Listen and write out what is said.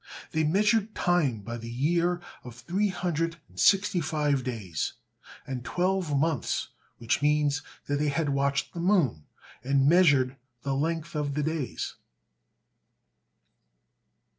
They measured time by the year of three hundred and sixty five days, and twelve months, which means that they had watched the moon and measured the length of the days.